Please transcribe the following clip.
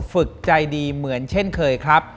ฝึกใจดีเหมือนเช่นเคยครับ